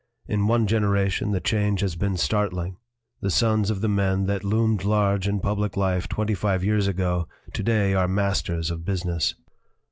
In one generation the change has been startling. The sons of the men that loomed large in public life twenty five years ago to day are masters of business.